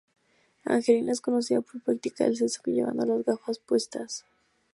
Angelina es conocida por practicar el sexo llevando las gafas puestas.